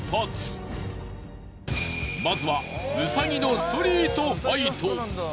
まずはウサギのストリートファイト！